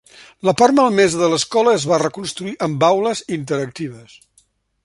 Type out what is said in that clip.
La part malmesa de l'escola es va reconstruir amb aules interactives.